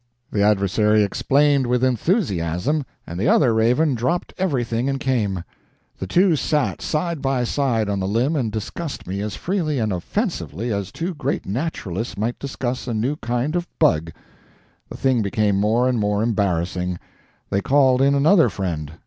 The adversary explained with enthusiasm, and the other raven dropped everything and came. The two sat side by side on the limb and discussed me as freely and offensively as two great naturalists might discuss a new kind of bug. The thing became more and more embarrassing. They called in another friend.